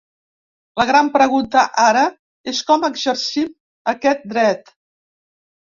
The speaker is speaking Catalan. La gran pregunta ara és com exercim aquest dret.